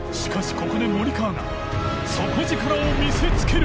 ここで森川が底力を見せつける！